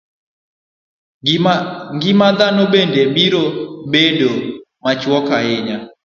Ngima dhano bende biro bedo machuok ahinya.